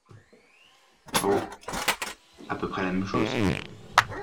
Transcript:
Oh ! à peu près la même chose.